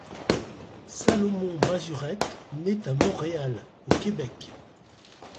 Salomon Mazurette naît à Montréal, au Québec.